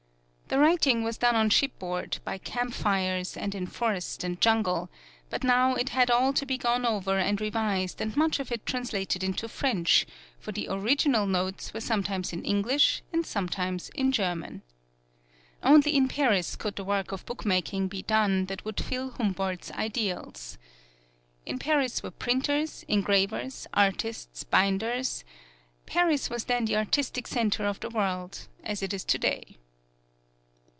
The writing was done on shipboard, by campfires, and in forest and jungle, but now it had all to be gone over and revised and much of it translated into French, for the original notes were sometimes in English and sometimes in German. Only in Paris could the work of bookmaking be done that would fill Humboldt's ideals. In Paris were printers, engravers, artists, binders Paris was then the artistic center of the world, as it is today.